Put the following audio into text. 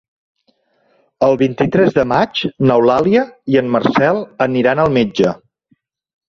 El vint-i-tres de maig n'Eulàlia i en Marcel aniran al metge.